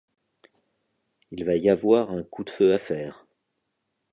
Il va y avoir un coup de feu à faire.